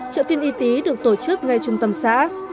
chợ phiên y tý được tổ chức ngay trung tâm xã